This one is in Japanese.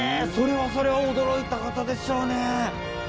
それはそれは驚いたことでしょうね。